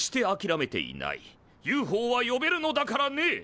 ＵＦＯは呼べるのだからね！